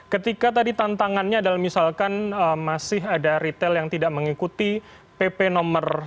ketika tadi tantangannya adalah misalkan masih ada retail yang tidak mengikuti pp no satu ratus sembilan dua ribu dua belas